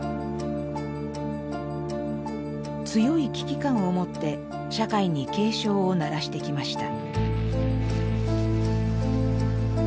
強い危機感をもって社会に警鐘を鳴らしてきました。